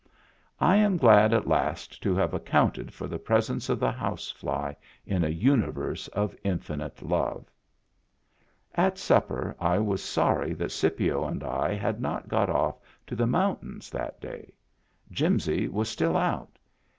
I am glad at last to have jaccounted for the presence of the housefly in a universe of infinite love. At supper I was sorry that Scipio and I had not got off to the mountains that day. Jimsy was still out.